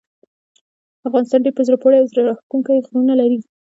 افغانستان ډیر په زړه پورې او زړه راښکونکي غرونه لري.